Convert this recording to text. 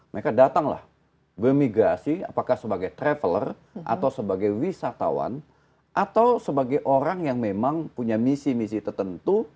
mereka datanglah bermigrasi apakah sebagai traveler atau sebagai wisatawan atau sebagai orang yang memang punya misi misi tertentu